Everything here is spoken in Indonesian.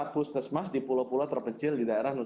empat puslesmas di pulau pulau terpecil di daerah